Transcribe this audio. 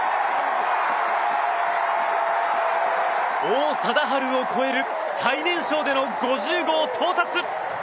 王貞治を超える最年少での５０号到達！